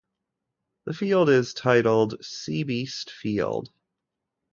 The field is titled Sea Best Field.